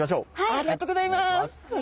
ありがとうございます！